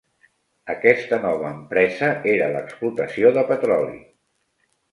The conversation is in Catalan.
Aquesta nova empresa era l'explotació de petroli.